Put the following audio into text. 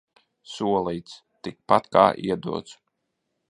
Solīts – tikpat kā iedots.